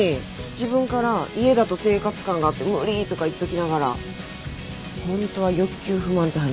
自分から「家だと生活感が無理」とか言っときながらホントは欲求不満って話？